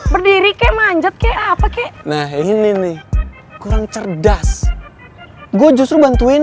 berdiri ke manjat kayak apa kek nah ini nih kurang cerdas gue justru bantuin